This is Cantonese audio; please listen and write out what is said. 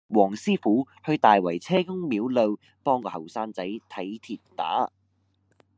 黃師傅去大圍車公廟路幫個後生仔睇跌打